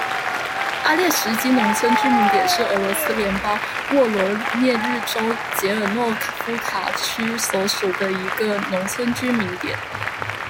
阿列什基农村居民点是俄罗斯联邦沃罗涅日州捷尔诺夫卡区所属的一个农村居民点。